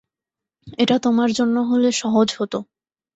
এটা তোমার জন্য হলে সহজ হত।